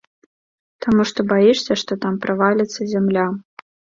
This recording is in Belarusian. Таму што баішся, што там праваліцца зямля.